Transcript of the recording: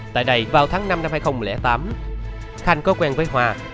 tại đây vào tháng năm năm hai nghìn tám khanh có quen với hòa